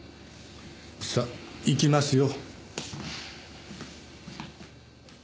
さあ行きますよ。